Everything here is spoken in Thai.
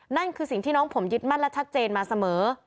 นั่นคือสิ่งที่น้องผมยึดมั่นและชัดเจนมาเสมอ